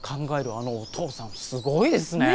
あのお父さんすごいですね。